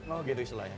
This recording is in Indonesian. oh gitu istilahnya